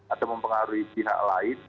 atau mempengaruhi pihak lain